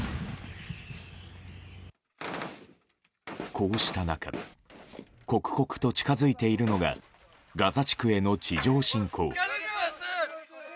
こうした中刻々と近づいているのがガザ地区への地上侵攻。